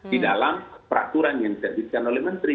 di dalam peraturan yang diterbitkan oleh menteri